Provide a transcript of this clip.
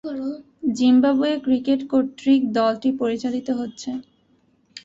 Zimbabwe cricket কর্তৃক দলটি পরিচালিত হচ্ছে।